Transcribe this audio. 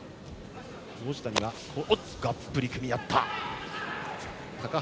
がっぷり組み合った。